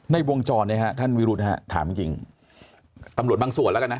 วงจรเนี่ยฮะท่านวิรุธฮะถามจริงตำรวจบางส่วนแล้วกันนะ